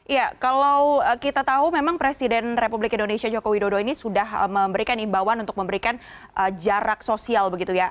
ya kalau kita tahu memang presiden republik indonesia joko widodo ini sudah memberikan imbauan untuk memberikan jarak sosial begitu ya